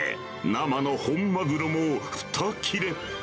生の本マグロも２切れ。